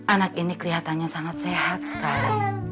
anak ini kelihatannya sangat sehat sekali